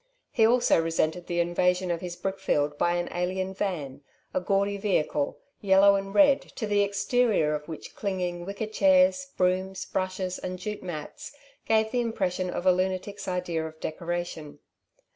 He also resented the invasion of his brickfield by an alien van, a gaudy vehicle, yellow and red, to the exterior of which clinging wicker chairs, brooms, brushes and jute mats gave the impression of a lunatic's idea of decoration.